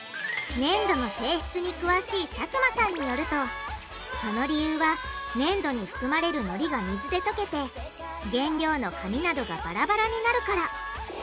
ねんどの性質に詳しい佐久間さんによるとその理由はねんどに含まれるのりが水で溶けて原料の紙などがバラバラになるから。